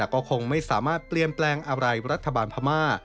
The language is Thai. ก็คงไม่สามารถเปลี่ยนแปลงอะไรรัฐบาลพม่า